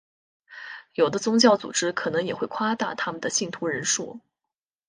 有的宗教组织可能也会夸大他们的信徒人数。